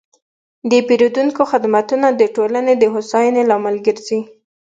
د پیرودونکو خدمتونه د ټولنې د هوساینې لامل ګرځي.